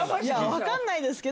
分かんないですけど。